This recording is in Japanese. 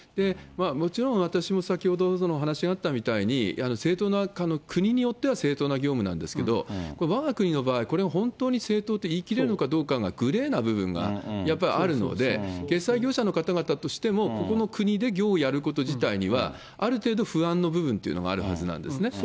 もちろん私も先ほどお話があったみたいに、正当な、国によっては正当な業務なんですけど、わが国の場合、これを本当に正当と言い切れるのかどうかというのが、グレーな部分がやっぱりあるので、決済業者の方々としてもここの国で業をやること自体にはある程度不安の部分というのがあるはずなんですね。